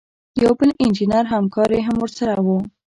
یو بل انجینر همکار یې هم ورسره و.